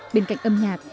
bên cạnh âm nhạc